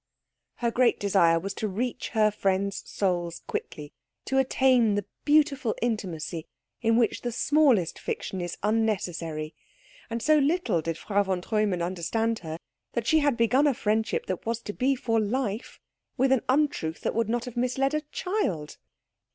Her great desire was to reach her friends' souls quickly, to attain the beautiful intimacy in which the smallest fiction is unnecessary; and so little did Frau von Treumann understand her, that she had begun a friendship that was to be for life with an untruth that would not have misled a child.